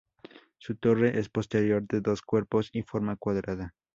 Su torre es posterior, de dos cuerpos y forma cuadrada.